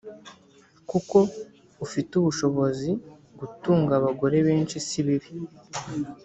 kuko ufite ubushobozi gutunga abagore benshi si bibi